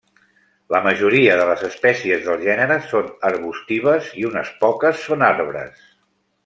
La majoria de les espècies del gènere són arbustives i unes poques són arbres.